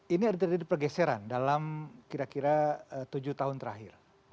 ini ada terjadi pergeseran dalam kira kira tujuh tahun terakhir